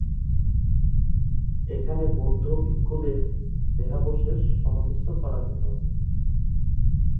এখানে বৌদ্ধ ভিক্ষুদের দেহাবশেষ সমাধিস্থ করা হত।